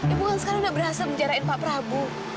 ibu kan sekarang gak berhasil menjarahin pak prabu